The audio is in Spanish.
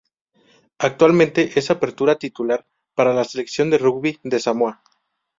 Actualmente es apertura titular para la selección de rugby de Samoa.